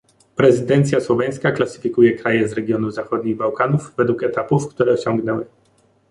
Prezydencja słoweńska klasyfikuje kraje z regionu zachodnich Bałkanów według etapów, które osiągnęły